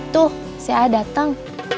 tuh si a dateng